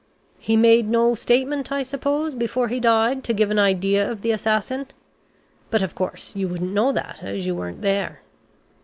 "He made no statement, I suppose, before he died, to give an idea of the assassin? But of course you wouldn't know that, as you weren't there."